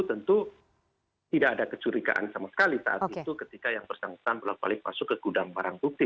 tentu tidak ada kecurigaan sama sekali saat itu ketika yang bersangkutan bolak balik masuk ke gudang barang bukti